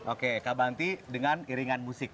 oke kabanti dengan iringan musik